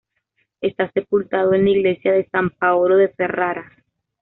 Está sepultado en la iglesia de San Paolo de Ferrara.